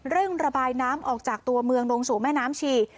ระบายน้ำออกจากตัวเมืองลงสู่แม่น้ำชี